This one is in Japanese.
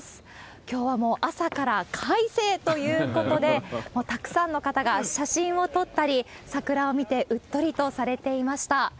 きょうはもう朝から快晴ということで、もうたくさんの方が写真を撮ったり、桜を見てうっとりとされていました。